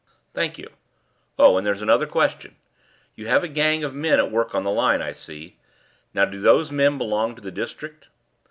"Thank you. Oh, and there's another question. You have a gang of men at work on the line, I see. Now, do those men belong to the district?"